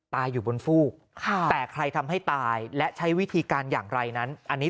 อยู่บนฟูกแต่ใครทำให้ตายและใช้วิธีการอย่างไรนั้นอันนี้